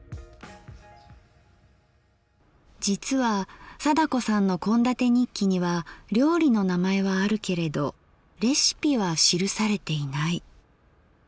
実は貞子さんの献立日記には料理の名前はあるけれどレシピは記されていない。